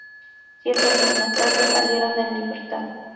Siete años más tarde, salieron en libertad.